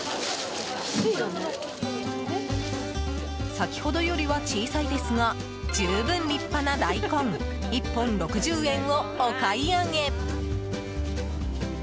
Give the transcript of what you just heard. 先ほどよりは小さいですが十分、立派な大根１本６０円をお買い上げ。